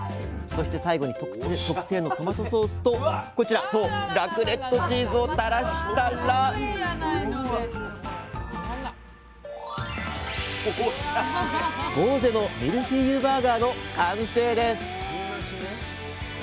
そして最後に特製のトマトソースとこちらラクレットチーズをたらしたら「ぼうぜのミルフィーユバーガー」の完成です！